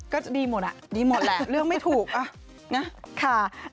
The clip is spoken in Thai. ก็ดีหมดอ่ะดีหมดแหละเลือกไม่ถูกนะค่ะ